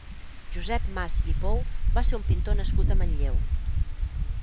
Josep Mas i Pou va ser un pintor nascut a Manlleu.